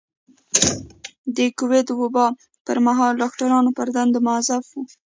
د کوويډ وبا پر مهال ډاکټران پر دندو مؤظف وو.